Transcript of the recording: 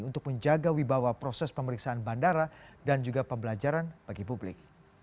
untuk menjaga wibawa proses pemeriksaan bandara dan juga pembelajaran bagi publik